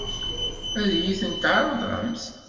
Ad iyi-tent-tɛeṛḍemt?